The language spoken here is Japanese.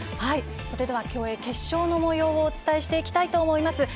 競泳決勝のもようをお伝えしていきたいと思います。